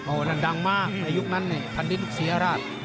โอ้นั่นดังมากในยุคนั้นพันธุ์ฤทธิ์นุกศรีราช